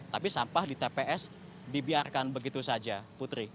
tapi sampah di tps dibiarkan begitu saja putri